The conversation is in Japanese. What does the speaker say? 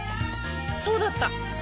そうだった！